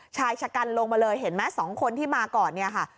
ชายชะกันลงมาเลยเห็นไหม๒คนที่มาก่อนเนี่ยค่ะ